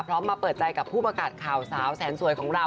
มาเปิดใจกับผู้ประกาศข่าวสาวแสนสวยของเรา